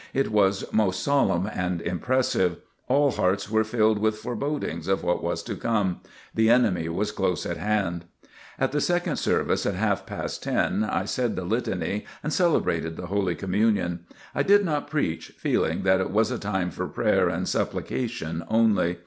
It was most solemn and impressive. All hearts were filled with forebodings of what was to come. The enemy was close at hand. At the second service at half past ten, I said the Litany and celebrated the Holy Communion. I did not preach, feeling that it was a time for prayer and supplication only.